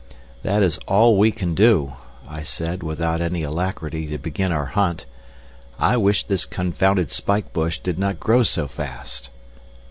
"That is all we can do," I said, without any alacrity to begin our hunt. "I wish this confounded spike bush did not grow so fast!"